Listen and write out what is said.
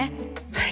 はい！